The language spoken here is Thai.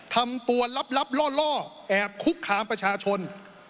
ทำตัวลับล่อแอบคุกคามประชาชน